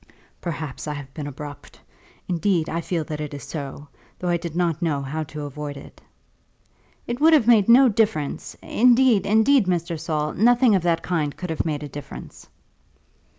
"Perhaps I have been abrupt. Indeed, I feel that it is so, though I did not know how to avoid it." "It would have made no difference. Indeed, indeed, Mr. Saul, nothing of that kind could have made a difference."